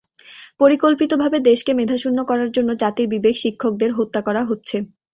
পরিকল্পিতভাবে দেশকে মেধাশূন্য করার জন্য জাতির বিবেক শিক্ষকদের হত্যা করা হচ্ছে।